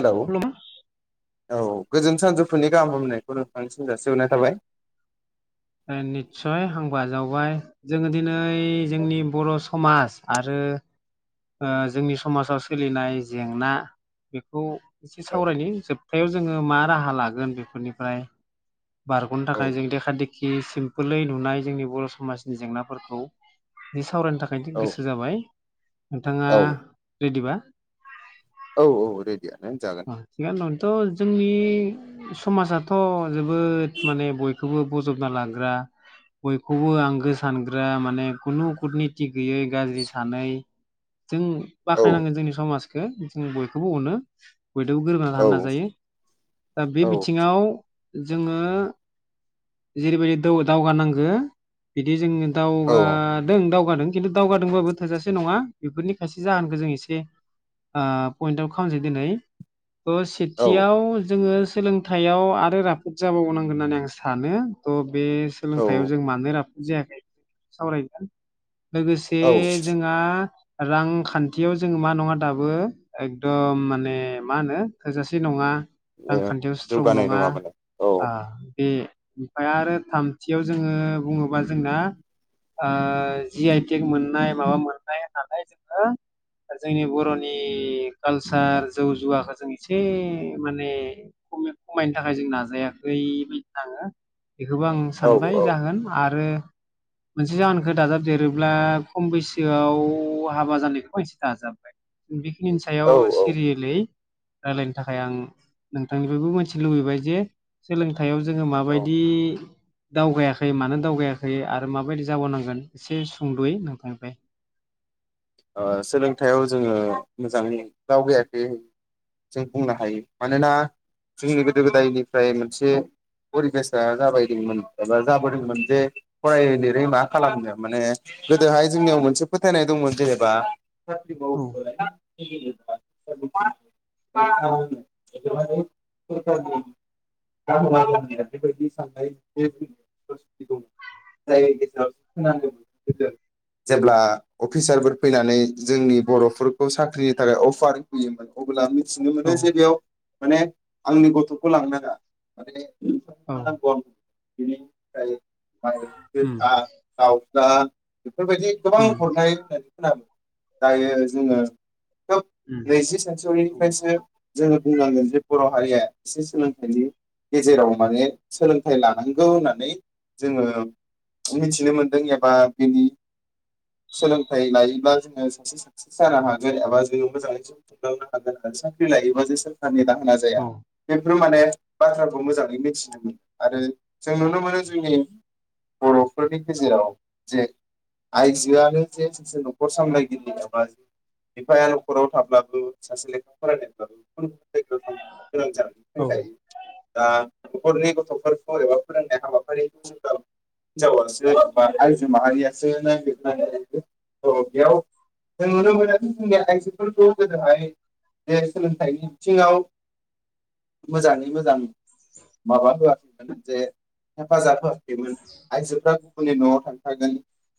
Hello खुलुम औ गोजोन सानजौफुनि गाहाम हामलायनायखौ नोंथांनिसिम जासिहरनाय थाबाय निस्सय आंबो आजावबाय जोङो दिनै दिनै जोंनि बर' समाज आरो ओ जोंनि समाजाव सोलिनाय जेंना बेखौ एसे औ सावरायनि जोब जोबनायाव जोङो मा राहा लागोन बेफोरनिफ्राय बारग'नो औ थाखाय जों देखा दिेखि सिम्पोलै नुनाय जोंनि बर' समाजनि जेंनाफोरखौ सावरायनो थाखाय औ गोसो जाबाय नोंथाङा रेडिबा औ औ रे [unintelligible] जोंनि समाजाथ' जोबोद माने बयखौबो बजबना लाग्रा बयखौबो आंगो सानग्रा माने खुनु कुटनित गैयै गाज्रि सानै जों औ बाख्नायनांगोन जोंनि समाज जों बयखौबो अनो बयदबो गोरोबा औ रानना जायो दा बे औ बिथिङाव जोङो जेरैबायदि दौ दावगानांगो बिदि जोङो औ दावगादों दाव दावगादों खिन्थु दावगादोंबाबो थोजासे नङा बेफोरनि खायसे जाहोनखौ जों एसे ओ पयेन्ट आउट खालामनोसै दिनै ओ औ सेथियाव जोङो सोलोंथाइयाव आरो राफोद जाबावनांगोन होननानै आं सानो थह बे औ सोलोंथायाव जों मानो राफ जायाखै सावरायदों। लोगोसे औ जोंहा रां खान्थियाव जोङो मा नङा दाबो एकदम माने मा होनो थोजासे नङा। रांखान्थियाव स्ट्रं जौगानाय नङा माने औ आ बे ओमफ्राय आरो थामथियाव जोङो बुङोबा जोंना ओ जि आइ टेक मोननाय माबा मोननाय होननानै जोङो जोंनि बर'नि कालसार जौ जुवाखौ जों एसे माने ख खमायनो थाखाय जों नाजायाखै बायदि थाङो। बेखौबो आं औ सानबाय औ जाहोन आरो मोनसे जाहोनखौ दाजाब देरोब्ला खम बैसोआव हाबा जानायखौ बसे दाजाबबाय बे बिनि सायाव औ औ सिरियेलै रायलायनो थाखाय आं नोंथांनिफ्रायबो मिथिनो लुबैबाय जे सोलोंथाइ आव जोङो माबायदि दावगायाखै मानो दावगायाखै आरो माबायदि जाबाव नांगोन एसे सुंद'यै नोंथांनिफ्राय। ओ सोलोंथायाइयाव जोङो मोजां दावगायाखै जों बुंनो हायो मानोना जोंनि गोदो गोदायनिफ्राय मोनसे परिबेसा जाबाय दोंमोन एबा जाबोदोंमोन जे फराय लिरै मा खालामनो माने गोदोहाय जोंनियाव मोनसे फोथायनाय दंमोन जेरै बा साथ औ बा [inaudible] [inaudible] बेफोरावहायल जायनि [inaudible] जेब्ला अफिसार फैनानै जोंनि बर'फोरखौ साख्रिनि थाखाय अफार होयोमोन अब्ला मिथिनो औ मोनो जे बेयाव माने आंनि गथ'खौ लांनाङा माने [inaudible] औ म नांगौ बिनि दायो [inaudible] बा दिद उम आ आव दा बेफोरबायदि गोबां उम हरनाय होन दायो जोङो खोब नैजि सेन्सुरिनि उम फ्रायसो जोङो बुंनांगोन जे बर' हारिया एसे सोलोंथाइनि गेजेराव माने सोलोंथाइ लानांगौ होननानै जोङो मिथिनो मोनदों एबा बिनि सोलों थाइ लायोब्ला जोङो सासे साक्सेस जानो हागोन एबा जोङो मोजाङै ज खुंलांनो हागोन आरो साख्रि लायोबा जे सोरखारनि रां जाया औ बे बेफोर माने बाथ्राखौ मोजाङै मिथिनो मोन आरो जों नुनो मोनो जोंनि बर'फोरनि गेजेराव जे आइजो आनो सासे न'खर सामलायगिरि एबा बिफाया न'खराव थाब्लाबो सासे लेखा फरायनायब्लाबो गुबुन गुबुन जायगायाव थांनो गोनां औ जानायनिफ्राय जायो दा न'खरनि गथ'फोरखौ एबा फोरोंनाय हाबाफारिखौ ज हिनजावासो एबा आइजो माहारियासो नागिरनानै अ बेयाव जों नुनो मोनो जोंनिया आइजोफोरखौ गोदोहाय जे सोलोंथाइनि बिथिङाव मोजाङै मोजां माबा जे हेफाजाब होआाखैमोन आइजोफ्रा गुबुननि न'आव थांखागोन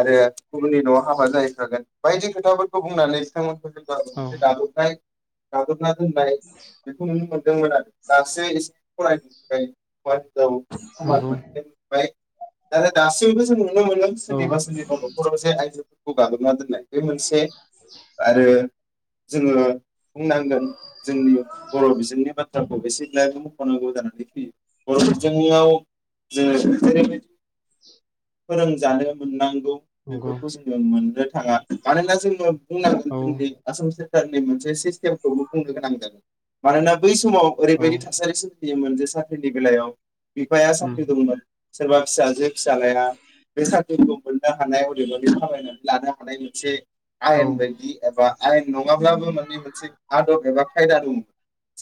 आरो गुबुननि न'आव हाबा जाहैखागोन बायदि खोथाफोरखौ बुंनानै बिथांमोन औ दाबथाय गादबना दोननाय बेखौ नुनो मोनदोंमोन आरो दासो एसे फरायनो औ समान नंगौ मोनथाय मोनबाय आरो दासिमबो जोङो नुनो मोनदों औ सोरनिबा सोरनिबा न'खराव जे आइजो खौ गाग्लोबना दोननाय बे मोनसे आरो जोङो बुंनांगोन जोंनि बर' बिजोंनि बाथ्राखौ एसेब्लाबो मख'नांगौ जानानै फैयो बर' बिजोआव जोङो जेरैबायदि फोरोंजानो मोननांगौ नंगौ बेफोरखौ जों मोननो थाङा मानोना जोङो बुंनांगोन औ जोंनि आसाम सोरखारनि मोनसे सिस्टेमखौबो बुंनो गोनां जादों मानोना बै समाव औ ओरैबायदि थासारि सोमजियोमोन जे साख्रिनि बेलायाव बिफाया उम साख्रि दंमोन सोरबा फिसाजो फिसालाया बे साख्रिखौ मोननो हानाय अधिकार खामायनानै लानो हानाय मोनसे औ आयेन बायदि एबा आयेन नङाब्लाबो माने मोनसे आदब एबा खायदा दङमोन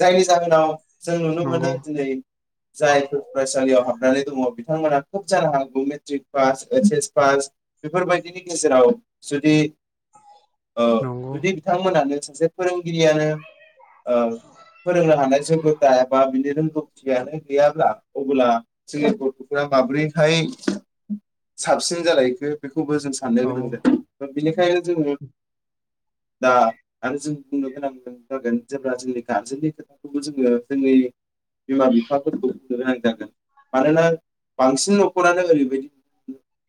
जायनि जाहोनाव जों नुनो मोनो नंगौ दिनै जायफोर फरायसालियाव हाबनानै दङ बिथांमोना खोब जानो हागौ matric pass H S pass बेफोरबायदि नि गेजेराव जुदि ओ नंगौ जुदि बिथांमोनानो सासे फोरोंगिरियानो ओ फोरोंनो हानाय जैगटा एबा बिनि रोंगौथियानो गैयाब्ला अब्ला जोंनि गथ'आ माब्रैहाय साबसिन जालायखो बेखौबो जों सा साननो औ गोनां जादों बिनिखायनो जोङो दा आरो जों बुंनो गोनां जागोन जेब्ला जोंनि गारजेननि खोथाखौबो जोङो जोंनि बिमा बिफाफोरखौ बुंनो गोनां जागोन मानोना बांसिन न'खरानो ओरैबायदि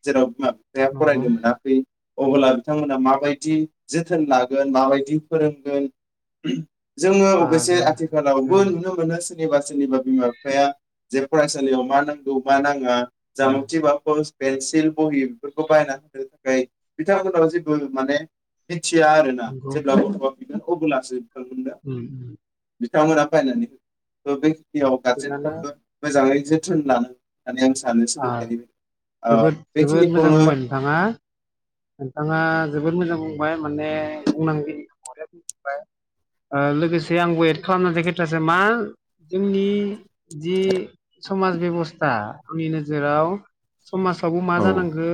जेराव बिमा बिफाया नंगौ फरायहोनो मोना अब्ला बिथांमोना माबायदि जोथोन लागोन माबायदि फोरोंगोन जोङो आ अबयसे जो जो आथिखालावबो नुनो मोनो सोरनिबा सोरनिबा बिमा बिफाया जे फरायसालियाव मा नां गौ मा नाङा उम जामथि बाक'ज पेन्सिल बहि बेफोरखौ बायनानै हो बिथांमोनाव जेबो माने मिथिया आरोना नंगौ जेब्ला गथ'आ बिगोन अब्लासो हो उम उम [unintelligible] ओ बेै याव थिगानो गारजेफ्राबो मोजाङै जोथोन लानो होननानै आं सानो आ सोलोंथायाइनि ओ बेखिनिखौनो आ नोंथाङा जोबोद मोजां बुं बाय माने बुंनांगौ खिनाखौ बरेया बुंबाय ओ लोगोसे आंबो एट खालामनोसै कैटासो मा जोंनि जि समाज बेब'स्था। आंनि नोजोराव। समाजावबो मा औ जानांगो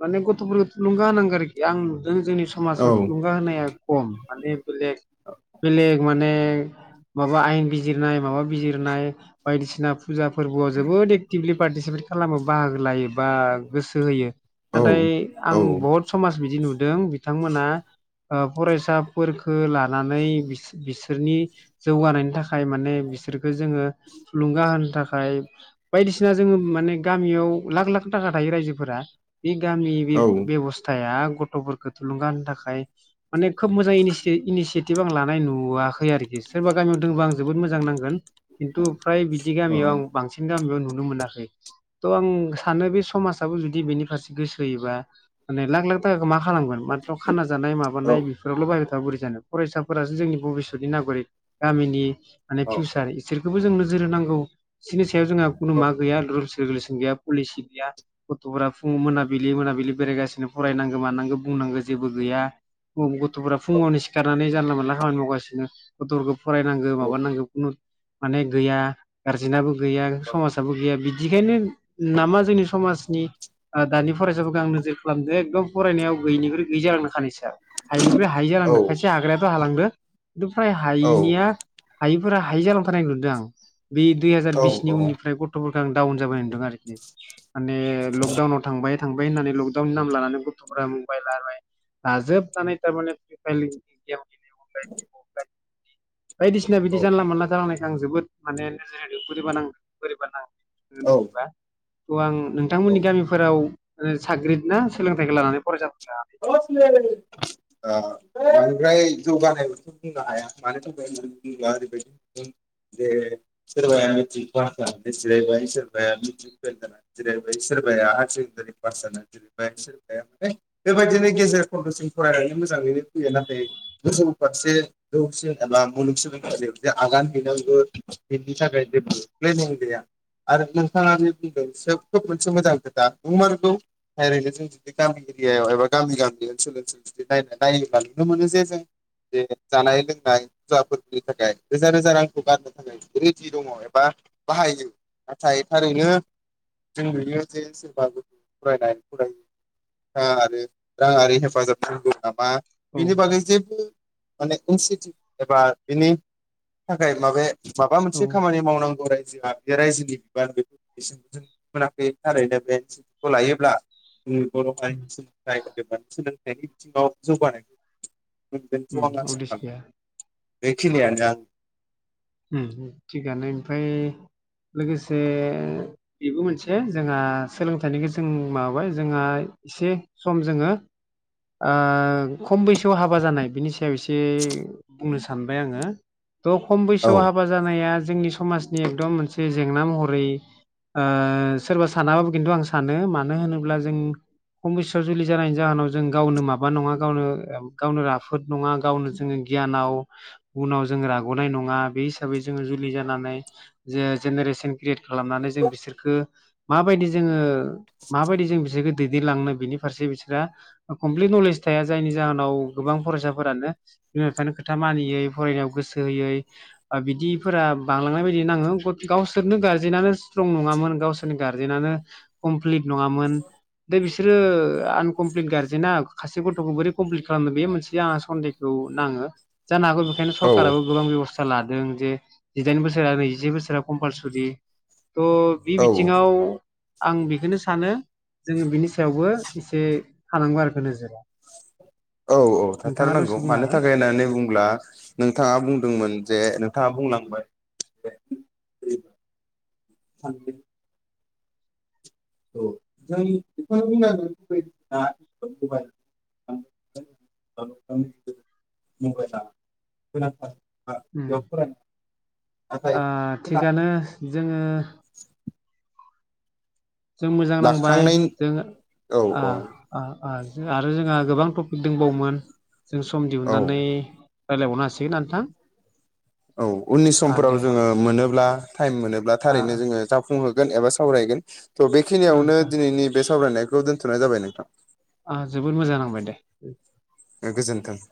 माने गथ'फोरखो थुलुंगा होनांगो आरोखि आं [unintelligible] जोंनि औ समाजाव थुलुंगा होनाया खम माने बेलेक बेलेक। माने माबा आयेन बिजिरनाय माबा बिजिरनाय बायदिसिना फुजा फोरबोआव जोबोदै टिमलि पार्टिसिपेट खालामो बाहागो लायो बा गोसो होयो। औ नाथाय औ आं बहुत समाज बिदि नु दों बि बिथांमोना ओ फरायसाफोर खो लानानै बि-बिसोरनि जौगानायनि थाखाय माने बिसोरखौ जोङो थुलुंगा होनो थाखाय। बायदिसिना जोङो माने गामियाव लाख लाख थाखा थायो रायजोफोरा। बे गामि बे औ बेब'स्थाया। गथ'फोरखौ थुलुंगा होनो थाखाय माने खोब मोजां इनि इनिसियेटिभ आं लानाय नुवाखै आरोखि सोरबा गामियाव दङबा आं जोबोद मोजां नांगोन खिन्थु फ्राय बिदि औ गामयाव आं बांसिन गामियावनो नुनो मोनाखै थ' आं सानो बे समाजाबो जुदि बेनि फारसे गोसो होयोबा माने लाख लाख थाखाखौ मा खालामगोन माथ्र खाना जानाय औ माबानाय बेफोरावल' बायहाय बा बोरै जानो फरायसाफोरासो जोंनि भबिसतनि नागरिक गामिनि माने औ फिउसार इसोर। खौबो जों नोजोर होनांगौ बिसिनि सायाव जोङो खुनु मा गैया रेगुलेसन गैया पलिसि गैया गथ'फोरा फुङाव मोनाबिलि मोनाबिलि बेरायगासिनो फरायनांगौ मानांगौ बुंनांगौ जेबो गैया। गथ'फोरा फुङावनो सिखारनानै जानला मोनला खामानि मावगासिनो गथ'फोरखौ फरायनांगौ माबानांगौ खुनु माने गैया गारजेनाबो गैया। समाजाबो गैया बि दिखायनो नामा जोंनि समाजनि आ दानि फरायसाफोरखौ आं नोजोर खालामदों एकदम फरायनायाव गैयिख्रुइ गैयै जालां खानोसै। हायिनिफ्राय हायि औ जालांदों खायसे हाग्रायाथ' हालांदों। बो [unintelligible] फ्राय हायिनिया हायि। फोरा हायि जालां थानार नुदों आं। बे दुइ हाजार औ बिसनि औ उननि गथ'फोरखौ आं डाउन जाबाय नुदों आरोखि । माने लकडाउनाव थांबाय थांबाय होननानै लकडाउननि नाम लानानै गथ'फोरा मबाइल लाबाय लाजोबनानै थारमाने फ्रि फायार गेम [inaudible] बायदिसिना बिदि जानला मोनला जालांनाय आं जोबोद माने नोजोर होदों बोरैबा नाङो बोरैबा नाङो। उम बा गौ आं नोंथांमोननि गामिफोराव साग्रिद ना सोलोंथाइखौ लानानै फरायसा [unintelligible] ओ बांद्राय जौगानायबोथ' बुंनो हाया मानि थाखाय होनना बुङोब्ला ओरैबायदि नुदों जे सोरबाया मेट्रिक पास जानानै जिरायबाय सोरबाया मित्रिक फेल जानानै जिरायबाय सोरबाया हायार सेकेडारि पास जानाय जिरबाय सोरबाया माने बेबायदिनो गेजेर खन्द'सिम फरायनानै मोजाङैनो फैयो नाथाय गोजौ फारसे जौसिन एबा मुलुगसोलोंथाइलियाव जे आगान हैनांगौ बिनि थाखाय जेबो प्लेनिं गैया आरो नोंथाङा बे बुंदों सोब खोब मोनसे मोजां खोथा नंमारगौ ओरैनो जों जुदि गामि एरियायाव एबा गामि गामि ओनसोल ओनसोल जुदि नायनानै नायोब्ला नुनो मोनो जे जों बे जानाय लोंनाय फुवाफोरनि थाखाय रोजा रोजा रांखौ गारनो थाखाय रेडि दङ एबा बाहायो नाथाय थारैनो जों नुयो जे सोरबा गथ' फरायनाय हुदाखौ [unintelligible] आरो रांआरि हेफाजाब थानांगौ। माबा औ बिनि बागै जेबो माने इनसिटिउट एबा बिनि थाखाय माबे माबा औ मोनसे खामानि मावनांगौ रायजोआ रायजोनि बिबान बेखौ एसेखौ मोनाखै थारैनो बेखौ लायोब्ला जोंनि बर'हाय सोलोंथाइ एबा सोलोंथाइनि बिथिङाव जौगानाय उम मोनगोनखौ आं आसा उदिस खालाम गैया बेखिनियानो ना । उम थिगानो ओमफ्राय लोगोसे बेबो मोनसे जोंहा सोलोंथाइनिखौ जों माबाबाय जोंहा एसे सम जोङो ओ खम बैसोआव हाबा जानाय बिनि सायाव एसे बुंनो सानबाय आङो त' औ त' हाबा जानाया जोंनि समाजनि एकदम मोनसे जेंना महरै ओ सोरबा सानाबाबो खिन्थु आं सानो मानो होनोब्ला जों खम बैसोआव जुलि जानायनि जाहोनाव जों गावनो माबा नङा गावनो गावनो राफोद नङा गावनो जोङो गियानाव उनाव जोङो राग'नाय नङा। बे हिसाबै जोङो जुलि जानानै जे जेनेरेसन क्रियेट खालामनानै जों बिसोरखो माबायदि जोङो माबायदि जों बिसोरखो दैदेनलांनो बिनि फारसे बिसोरो कमप्लिट नलेज थाया जायनि जाहोनाव गोबां फरायसाफोरानो बिमा बिफानि खोथा मानियै फरायनायाव गोसो होयै बिदिफोरा बांलांनाय बायदि नाङो गावसोरनो गार्जेनानो स्ट्रं नङामोन गावसोरनि गार्जेनानो कमप्लिट नङामोन दा बिसोरो आनकमप्लिट गार्जेना खासे गथ'खौ बोरै कमप्लिट खालामनो बे मोनसे आंहा सन्देहखौ नाङो। जानो हागौ बेखायनो औ सरकाराबो गोबां बेबस सालाद। उम जे जिडाइन बोसोर नैजिसे बोसोरा कमपालसरि थ' बि औ बिथिङाव आं बेखौनो सानो जोङो बिनि सायावबो एसे थानांगौ आरो नोजोरा औ नोंथाङा दसे थाथारनांगौ बुंनो मानो हागोन थाखाय होननानै बुङोब्ला नोंथाङा बुंदोंमोन जे नोंथाङा बुंलांबाय [inaudible] [unintelligible] उ बेयाव फरायनाय नाथाय थिगानो जोङो जों मोजां नांबाय लाखांनाय जों औ आरो जोंहा गोबां टपिक दंबावोमोन जों सम औ दिहुन्नानै रायज्लायबावनो हासिगोना नोंथां? औ उननि आ समफोराव दे जोङो मोनोब्ला टाइम मोनोब्ला आ थारैनो आ जोङो जा फुंहोगोन एबा सावरायगोन थ' बेखिनियावनो नोंथां दिनैनि बे सावरायनायखौ दोनथ'नाय जाबाय नोंथां आ जोबोद मोजां नांबाय दे गोजोन्थों [inaudible]